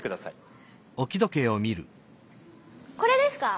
「これ」ですか？